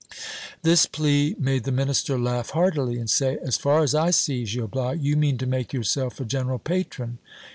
This plea made the minister laugh heartily, and say : As far as I see, Gil Bias, you mean to make yourself a general patron.